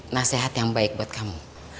nasihat yang baik buat kamu